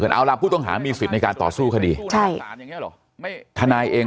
เอาล่ะผู้ต้องหามีสิทธิ์ในการต่อสู้คดีใช่ทนายเอง